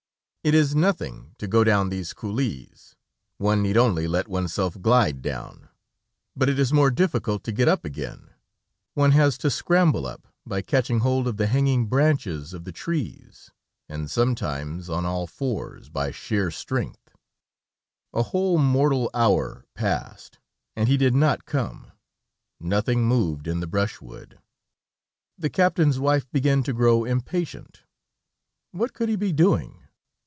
It is nothing to go down these coulées; one need only let oneself glide down, but it is more difficult to get up again; one has to scramble up by catching hold of the hanging branches of the trees, and sometimes on all fours, by sheer strength. A whole mortal hour passed and he did not come, nothing moved in the brushwood. The captain's wife began to grow impatient; what could he be doing?